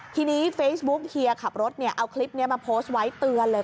ทีนี้เฟซบุ๊กเฮียขับรถเนี่ยเอาคลิปนี้มาโพสต์ไว้เตือนเลย